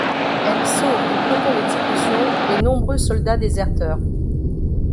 Elle sauve du peloton d'exécution des nombreux soldats déserteurs.